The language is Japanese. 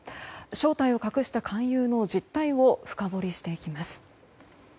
正体を隠した勧誘の実態を深掘りしていきます。